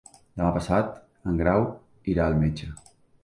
Demà passat en Grau irà al metge.